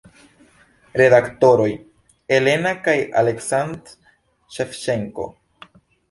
Redaktoroj: Elena kaj Aleksandr Ŝevĉenko.